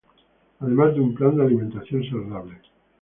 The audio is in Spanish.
Además de un plan de alimentación saludable